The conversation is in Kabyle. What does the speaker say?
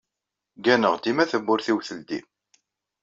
Gganeɣ dima tawwurt-iw teldi.